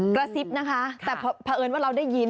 กระซิบนะคะแต่เผอิญว่าเราได้ยิน